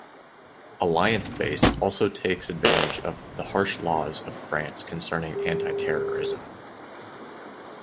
Alliance Base also takes advantage of the "harsh laws" of France concerning anti-terrorism.